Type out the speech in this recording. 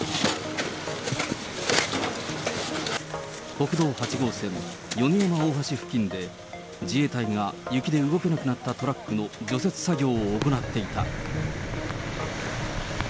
国道８号線、米山大橋付近で、自衛隊が雪で動けなくなったトラックの除雪作業を行っていた。